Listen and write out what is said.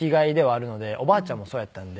おばあちゃんもそうやったんで。